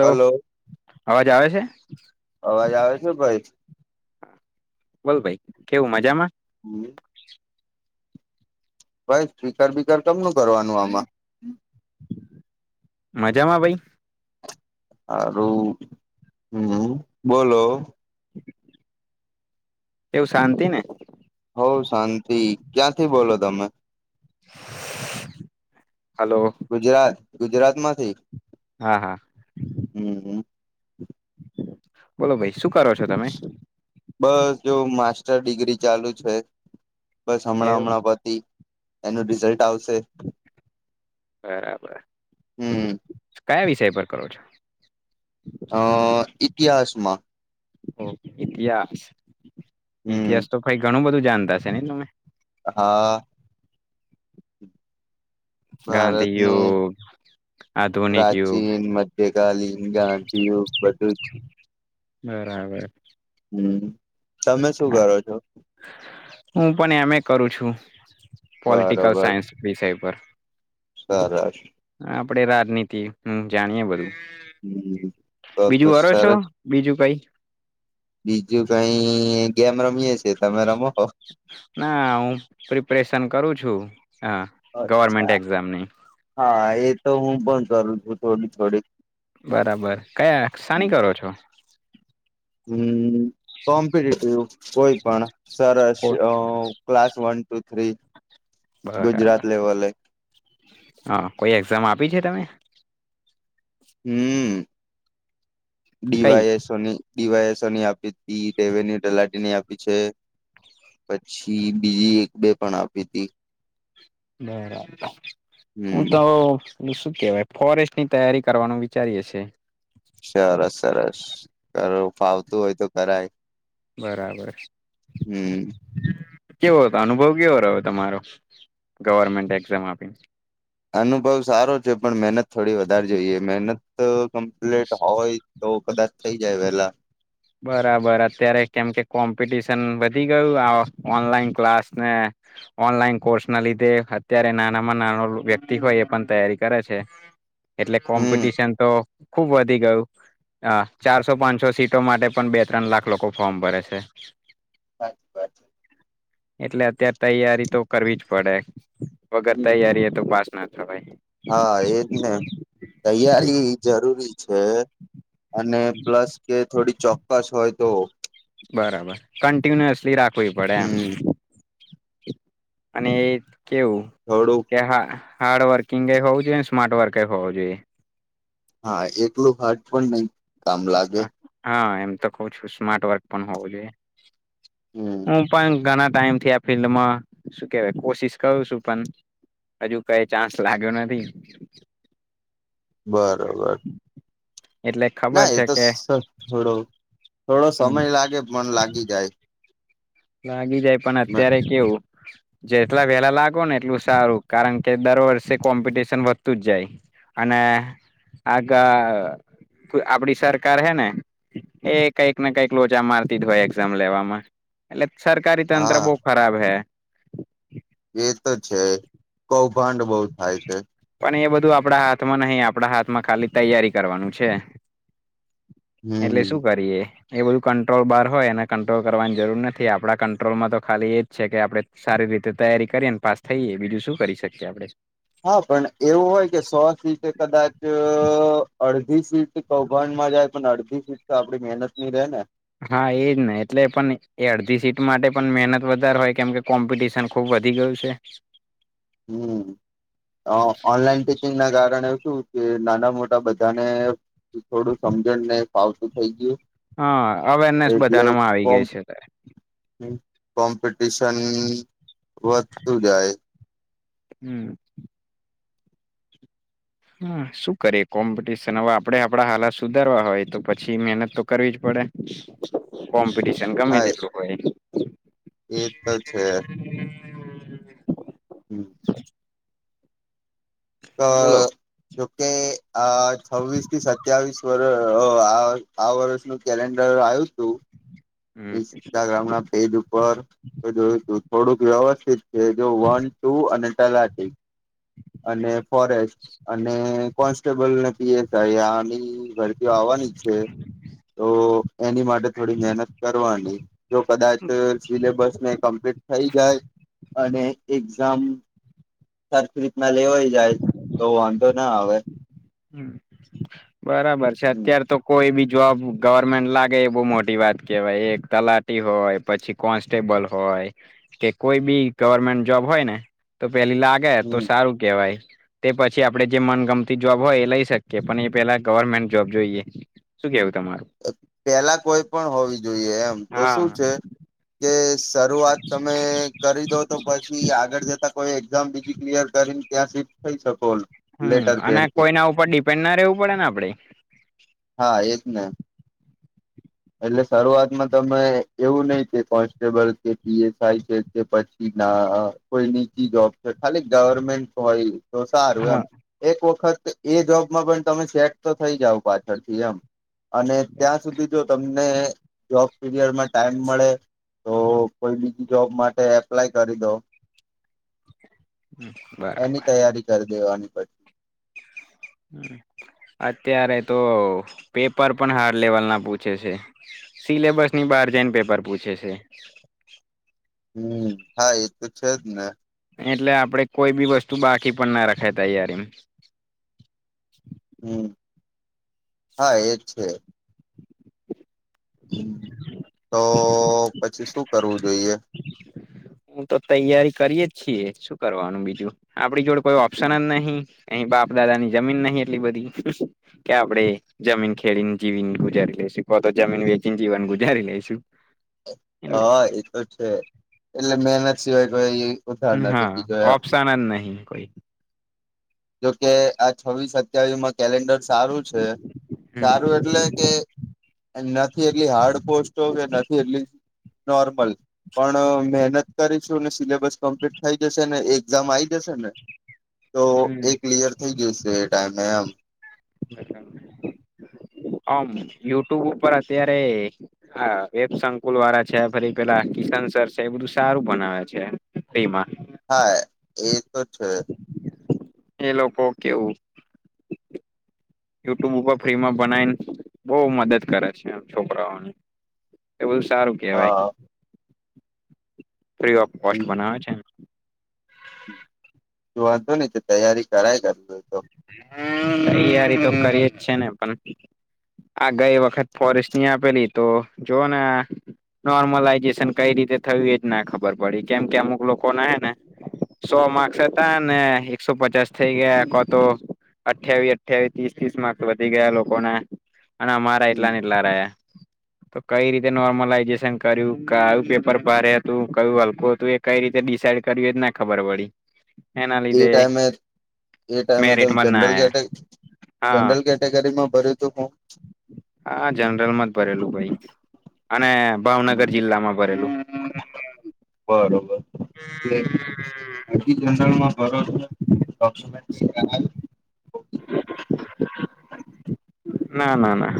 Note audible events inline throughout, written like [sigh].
Hello અવાજ આવે છે અવાજ આવે છે ભાઈ. બોલભાઈ કેવું મજામાં? હમ. ભાઈ [unintelligible] બિકર કેમનું કરવાનું આમાં! મજામાં ભાઈ? આરું હમ બોલો. એવું શાંતિ ને? બઉ શાંતિ ક્યાંથી બોલો તમે? હલો ગુજરાત. ગુજરાત માંથી. હા હા અહમ. બોલો ભાઈ! શું કરો છો તમે? બસ જો માસ્ટર ડિગ્રી ચાલુ છે. બસ હમણાં એવું હમણાં પતી એનું રિઝલ્ટ આવશે. બરાબર. હમ કયા વિષય પર કરો છો? [unintelligible] અ ઈતિહાસમાં. ઓ ઇતિહાસ. હમ ઇતિહાસ તો [unintelligible] ઘણું બધું [unintelligible] છે ને એનું મેં આ ગાંધી ભારતનું યુગ આધુનિક યુગ. ગાલીન ગાંધીઓ બધું જ બરાબર. હમ. તમે શું હા, કરો છો? હું પણ એમે કરું છું પોલિટિકલ સાયન્સ વિષય પર સરશ આપડે રાજનીતિ હું જાણીએ બધું હમ તો તો બીજું વારો છો સરસ બીજું કઈ બીજું કઈ ગેમ રમીયે છે તમે રમો ના હુ ઓપરેેશન કરું છું હા ગવર્મેન્ટ અચ્છા એક્ઝામની હા એ તો હું બંધ કરું થોડી થોડીક બરાબર કયા શાની કરો છો હમ કોમ્પિટેટિવ કોઈ પણ સરસ કો ક્લાસ વન ટુ થ્રી બરાબર ગુજરાત લેવલે હા કોઈ એક્ઝામ આપી છે તમે હમ કઈ ડીવાય એસોની ડીવાયસની આપી હતી દેવેની તલાટી ની આપી છે પછી બીજી એક બે પણ આપી હતી બરાબર હું હમ તો એલું શું કેવાય ફોરેસ્ટ ની તૈયારી કરવાનું વિચારીએે છે સરસ સરસ કર ફાવતું હોય તો કેરાય બરાબર કેવો હતો અનુભવ કેવો રહ્યો તમારો ગવર્મેન્ટ એક્ષામ આપીને અનુભવ સારો છે પણ મહેનત થોડી વધારે જોઈએ મહેનત તો કમ્પ્લીટ હોય તો કદાચ થઈ જાય વેલા બરાબર અત્યારે કેમ કે કોમ્પિટિશન વધી ગયું આ ઓનલાઈન ક્લાસ ને ઓનલાઈન કોર્સ ના લીધે અત્યારે નાનામાં નાનો વ્યક્તિ હોય એ પણ તૈયારી કરે છે એટલે હમ કોમ્પિટિશન તો ખુબ વધી ગયું હા ચારસો પાંચસો સીટ માટે પણ બે ત્રણ લાખ લોકો ફોર્મ ભરે છે સાચી વાત એટલે અત્યાર તૈયારી તો કરવી જ પડે. વગર તૈયારી એ તો પાસ ના થવાય. હા એજ ને. તૈયારી જરૂરી છે અને પ્લસ કે થોડી ચોક્કસ હોય તો. બરાબર કન્ટિન્યુઅસલી રાખ કોય પડે આમ. હમ અને અ કેવું થોડુંક કે હા હાર્ડ વર્કિંગ એ હોવું જોઈએ ને સ્માર્ટ વર્ક એ હોવું જોઈએ. હા એકલું હાર્ડ પણ નય કામ લાગે. હું તો કઉ છું સ્માર્ટ વર્ક પણ હોવું જોઈએ હમ હું પણ ઘના ટાઈમથી આ ફિલ્ડમાં શું કેવાય કોશિશ કરું છું પણ હજુ કઈ ચાન્સ લાગ્યો નથી બરોબર. એટલે ખબર ના એ છે તો સ કે થોડો થોડો હમ સમય લાગે પણ લાગી જાય. લાગી જાય પણ અત્યારે કેવું જેટલા વેલા લાગો ને એટલું સારું કારણ કે દર વર્ષે કોમ્પિટિશન વધતું જ જાય અને આગ આપડી સરકાર હે ને એ કઈકને કઈક લોચા મારતી જ હોય એક્ઝામ લેવામાં એલેપ. સરકારી તંત્ર હા બોહ ખરાબ હૈ. એ તો છે કૌભાંડ બહું થાય છે. પણ એ બધું આપડા હાથમાં નહી આપડા હાથમાં ખાલી તૈયારી કરવાનું છે. એટલે હમ શું કરીએ? એ બધું કંટ્રોલ બહાર હોય એને કંટ્રોલ કરવાની જરૂર નથી આપડા કંટ્રોલમાં તો ખાલી એજ છે કે આપડણે સારી રીતે તૈયારી કરીએને પાસ થઈએ બીજું શું કરી શકીએ આપણે? હા પણ એવું હોય કે સો સીટ કદાચ અડધી સીટ કૌભાંડમાં જાય પણ અડધી સીટ તો આપડી મહેનત ની રે ને. હા, એજ ને. એટલે પણ એ અડધી સીટ માટે પણ મહેનત વધારે હોય, કેમ કે કોમ્પિટિશન ખુબ વધી ગયું છે. હમ, ઓનલાઈન ટીચિંગ ના કારણે શું? કે નાના-મોટા બધા ને, થોડું સમજણ ને ફાવતું થઈ ગયું. હા, અવેરનેસ એટલે બધાનામાં આવી કોમ ગઈ છે. કોમ્પિટિશન વધતું જાય. હમ્મ. હમ્મ, શું કરીએ કોમ્પિટિશન હવે આપડે આપડા હાલાત સુધારવા હોય તો પછી મહેનત તો કરવી જ પડે. કોમ પિટિશન ગમે હા તેટલું હોય. [inaudible] એ તો છે. હમ્મ. તો બોલો જોકે આ છવ્વીસ થી સત્યાવીસ વરહ તો આ આ વર્ષનું કેલેન્ડર આયું તું. હમ ઇન્સ્ટાગ્રામ ના ફપેજ ઉપર જોયું થું. થોડુંક વ્યવસ્થિત કે જો વન ટુ અને તલાટી અને ફોરેસ્ટ અને કોન્સ્ટેબલ ને પી એસ આઈ આની ભરતીઓ આવાની છે તો એની માટે થોડી મહેનત કરવાની જો કદાચ અહ સિલેબસને કમ્પ્લીટ થઈ જાય અને એક્ઝામ થર ના લેવાઈ જાય તો વાંધો ના આવે. હમ્મ. બરાબર છે. હમ અત્યાર તો કોઈ બી જોબ ગવર્મેન્ટ લાગે એ બહુ મોટી વાત કેહેવાય એક તલાટી હોય પછી કોન્સ્ટેબલ હોય કે કોઈ બી ગવર્મેન્ટ જોબ હોય ને તો પેલી લાગે તો હમ સારું કેવાય. તે પછી આપડે જે મન ગમતી જોબ હોય એ લઈ શકેએ પણ એ પેલા ગવર્મેન્ટ જોબ જોઈએ. શું કેવું તમારું? પેલા કોઈ પણ હોવી જોઈએ એમ તો શું હા છે કે શરૂઆત તમે કરી દો તો પછી આગળ જતા કોઈ એક્ઝામ બીજી ક્લિયર કરીને ત્યાં સીટ થઈ શકો. હમ્મ લેટર અને પેડથી કોઈના ઉપર ડિપેન્ડ ના રહેવું પડે ને આપડે. હા એજ ને એટલે શરૂઆતમાં તમે એવું નહીં કે કોન્સ્ટેબલ કે પી એસ આઈ છે કે પછી નાઆ કોઈ નીચી જોબ છે ખાલી ગવર્મેન્ટ હોય એ તો સારું એમ હા એક વખત એ જોબમાં પણ તમે સેટ તો થઈ જાવ પાછળથી એમ અને ત્યાં સુધી જો તમને જોબ પીરિયડમાં ટાઈમ મળે તો કોઈ બીજી જોબ માટે એપ્લાય કરી દો. હ એની બરાબર તૈયારી કરી દેવાની પડ અત્યારે તો પેપર પણ હાર લેવલ ના પૂછે છે સિલેબસ ની બારજેન પેપર પૂછે છે હમ હા એ તો છે જ ને એટલે આપડે કોઈ બી વસ્તુ બાકી પણ ના રખાય તૈયારી હમ હા એજ છે હ તો પછી શું કરવું જોઈએ હું તો તૈયારી કરીએ જ છીએ શું કરવાનું બીજું આપડી જોડે કોઈ ઓપ્શન જ નહીિ અહી બાપ દાદા ની જમીન નહીિ એટલી બધી કે આપડે જમીન ખેડીને જીવીને ગુજારી લઈશું કો તો જમીન વેચીને જીવન ગુજારી લઈશુ હા એતો છે એટલે મેનત સિવાય કોઈાઈ હા ઓપ્શનલ નહીિ કોઈ જોકે આ છવ્વીસ સત્યાવીસ માં કેલેન્ડર સારું છે હમ સારું એટલે કે નથી એટલી હાર્ડ પોસ્ટો કે નથી એટલી નોર્મલ પણ મહેનત કરીશું સિલેબસ કમ્પ્લીટ થઈ જશે ને એક્ઝામ આ આવી જશે ને તો એ હમ ક્લિયર થઈ ગય છે તો એ ટાઈમ મે એમ બ આમ યુટ્યુબ અત્યારેે સંકુલ વાળા છે ફ પેલા કિશન સર છે એ બધું સારું બનાવે છે ફમાં હા એ તો છે એ લોકો કેવું યુટ્યુબ ઉપર ફ્રીમાં બનાવીને બહ મદદ કરે છે એમ છોકરાઓની એ બધું સારું કેહેવાય હા ફ્રી ઓફ કોસ્ટ બનાવે છે વાંધો નઈ તૈયારી કરાય કર તૈયારી તો કરીએે જ છે ને પણ આ ગઈ વખત ફોરેસ્ટ ની આપેલી તો જો ને નોર્મલાઈઝેશન કઈ રીતે થયું એજ ના ખબર પડી કેમ કે અમુક લોકો ના હ ને સો માર્ક્સ હતા ને એકસો પચાસ થઇ ગયા તો અઠ્યાવીસ અઠ્યાવી ત્રીસ ત્રીસ માર્સ વધી ગયા લોકોના અને અમારા એટલા ને એટલા રહે તો કઈ રીતે નોર્મલાઈઝેશન કર્યું કયું પેપર ભારે હતું કયું હલકું હતું એ કઈ રીતે ડિસાઈડ કર્યું એજ ના ખબર પડી એના એ લીધે ટાઈમ એ મેરિટમાં જ ના જનરલ આયા હા જનરલ કેટેગરીમાં ભર્યું તું હું હા જનરલમાં જ ભરેલું ભાઈ અને ભાવનગર જિલ્લામાં ભરેલું બરોબર હજી [unintelligible] ના ના ના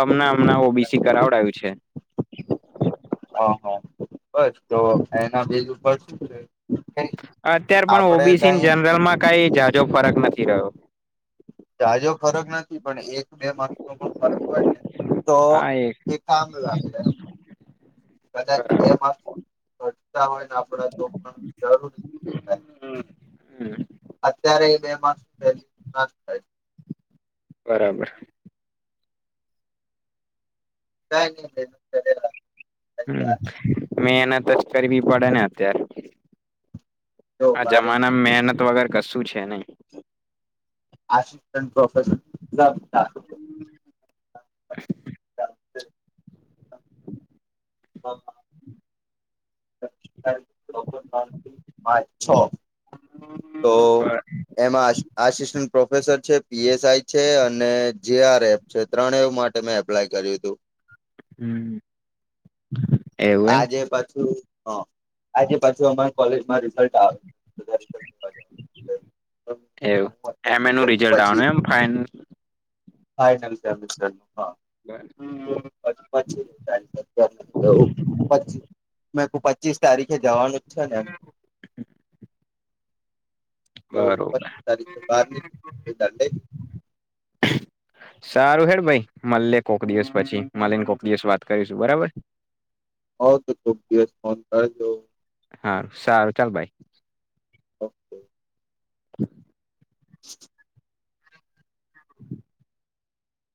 અમના મ ઓબીસી કરાવડાયું છે. હા હા્ બસ તો એના બીજું બસ શ અત્યાર પણ ઓબીસી જનરલમાં કઈ જાજો ફરક નથી. થી રહ્યો. જાજો ફરક નથી પણ એક બે માર્સ ન પણ ફરક હોય ને તો હા એક એ કામ લાગે એમ કદાચ બે માક્સ ઘટતા હોય ને આપ તો પણ જરૂરી હમ્મ. અત્યારે એ બે માસું પહેલી ના થાય બરાબર. ના નહી [inaudible] હમ મેહનત જ કરવી પડે ને અત્યારે જો આ મારે જમાના મહેનત વગેર કશું છે નહી આછી. [unintelligible] [unintelligible] પાચ છ તો એમાં આસિસ્ટન્ટ પ્રોફેસર છે. પીએસઆઈ છે અને જેઆર એફ છે ત્રણ એવું માટે મેં એપ્લાય કર્યું હતું. હમ્મ. આજે પાછું. હ આજે પાછુ અમારે કોલેજમાં રિઝલ્ટ આવે છે. બધા રિઝલ્ટ લેવા જવાના છે એવું હું અત્યારે એમ એ નહી નું જઉં રિઝલ્ટ પછી આવનુ એમ ફાઇન ફાઈનલ ટમસર ન [unintelligible] મે કો પછ પચીસ તારીખે જવાનું છે ને એમ તો બરોબર પચીસ તારીખ બારની ધ લે સારું હેડ ભાઈ મલે કોક દિવસ પછી મલીને કોક દિવસ વાત કરીશું બરાબર. આવ તો કોક દિવસ ફોન કર જો. હા સારું ચાલ ભાઈ. ઓકે. [unintelligible] [inaudible]